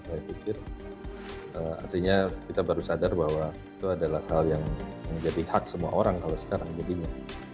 saya pikir artinya kita baru sadar bahwa itu adalah hal yang menjadi hak semua orang kalau sekarang jadinya